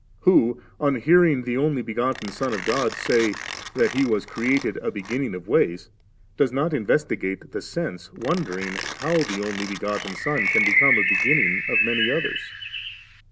who on hearing the Only begotten Son of God say, that He was created *a beginning of ways,' does not investigate the sense, wonder ing how the Only begotten Son can become a B^;inning of many others?